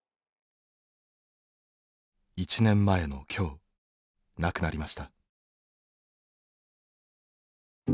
１年前の今日亡くなりました。